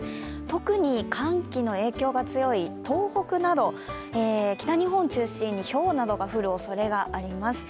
特に寒気の影響が強い東北など北日本中心にひょうなどが降るおそれがあります。